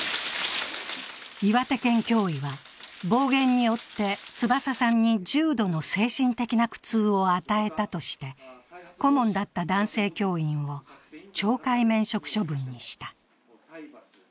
岩手県教委は、暴言によって翼さんに重度の精神的な苦痛を与えたとして顧問だった男性教員を懲戒免職処分にした。